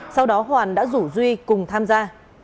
sau đó hoàn đã rủ duy cùng tham gia